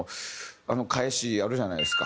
あの返しあるじゃないですか。